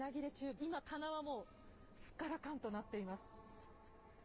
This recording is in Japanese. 今、棚はもう、すっからかんとなっています。